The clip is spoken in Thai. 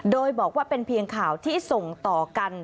โดยบอกว่าเป็นเพียงข่าวที่ส่งต่อกัน